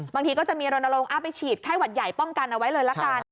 บางทีก็จะมีรณรงค์ไปฉีดไข้หวัดใหญ่ป้องกันเอาไว้เลยละกัน